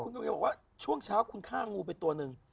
คุณก็บอกว่าช่วงเช้าคุณฆ่างูไปตัวหนึ่ง